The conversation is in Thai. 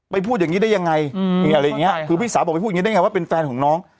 พูดอย่างนี้ได้ยังไงอะไรอย่างเงี้ยคือพี่สาวบอกไปพูดอย่างงีได้ไงว่าเป็นแฟนของน้อง